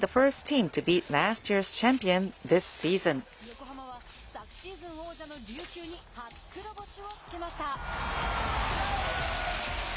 横浜は昨シーズン王者の琉球に初黒星をつけました。